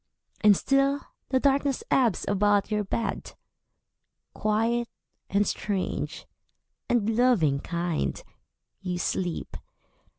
And still the darkness ebbs about your bed. Quiet, and strange, and loving kind, you sleep.